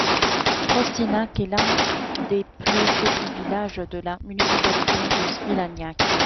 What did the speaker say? Proštinac est l'un des plus petits villages de la municipalité de Svilajnac.